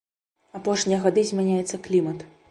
Апошнія гады змяняецца клімат.